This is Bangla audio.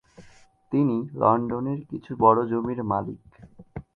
তিনি লন্ডনের কিছু বড় জমির মালিক।